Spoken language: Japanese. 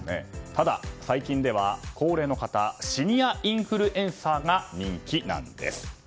ただ、最近では高齢の方シニアインフルエンサーが人気なんです。